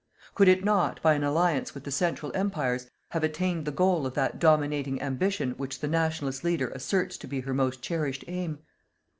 Could it not, by an alliance with the Central Empires, have attained the goal of that dominating ambition which the "Nationalist" leader asserts to be her most cherished aim.